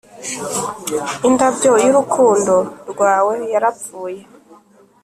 indabyo y'urukundo rwawe yarapfuye;